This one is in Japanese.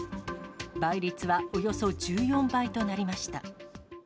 倍率はおよそ１４倍となりました。